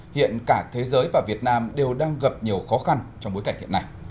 hiện cả thế giới và việt nam đều đang gặp nhiều khó khăn trong bối cảnh hiện nay